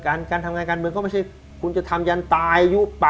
การทำงานการเมืองก็ไม่ใช่